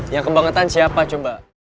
yang kebangetan siapa